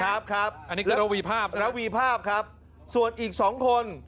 ครับครับอันนี้คือระวีภาพระวีภาพครับส่วนอีกสองคน